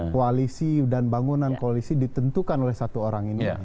koalisi dan bangunan koalisi ditentukan oleh satu orang ini